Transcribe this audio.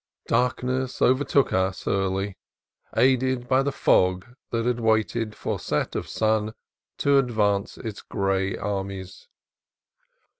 Darkness overtook us early, aided by the fog that had waited for set of sun to advance its gray armies.